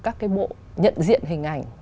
các cái bộ nhận diện hình ảnh